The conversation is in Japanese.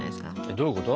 どういうこと？